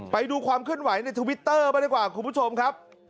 ไปดูความเคลื่อนไหวในทวิตเตอร์บ้างดีกว่าคุณผู้ชมครับ